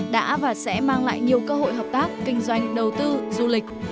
đã và sẽ mang lại nhiều cơ hội hợp tác kinh doanh đầu tư du lịch